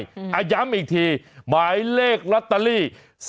ย้ำอีกทีหมายเลขลอตเตอรี่